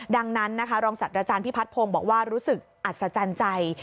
ดังนั้นรองศัตริย์อาจารย์พี่พัดพงษ์บอกว่ารู้สึกอัศจรรย์ใจ